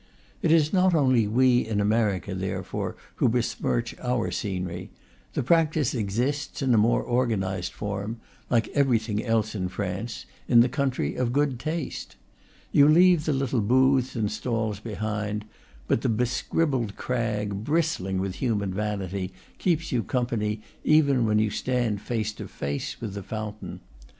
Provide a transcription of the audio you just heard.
It is not only we in America, therefore, who besmirch our scenery; the practice exists, in a more organized form (like every thing else in France), in the country of good taste. You leave the little booths and stalls behind; but the bescribbled crag, bristling with human vanity, keeps you company even when you stand face to face with the fountain.